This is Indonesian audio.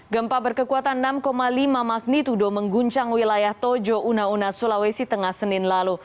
gempa berkekuatan enam lima magnitudo mengguncang wilayah tojo una una sulawesi tengah senin lalu